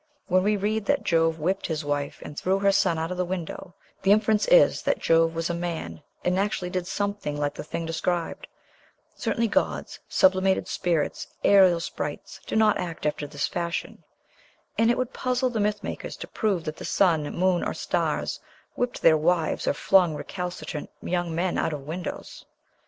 When we read that Jove whipped his wife, and threw her son out of the window, the inference is that Jove was a man, and actually did something like the thing described; certainly gods, sublimated spirits, aerial sprites, do not act after this fashion; and it would puzzle the mythmakers to prove that the sun, moon, or stars whipped their wives or flung recalcitrant young men out of windows.